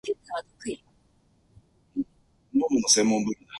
こんにちは赤ちゃんお願いがあるの